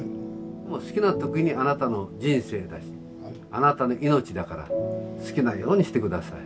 好きな時にあなたの人生だしあなたの命だから好きなようにして下さい。ね。